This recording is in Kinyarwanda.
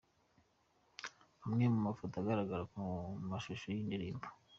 Amwe mu mafoto agaragara mu mashusho y'iyi ndirimbo.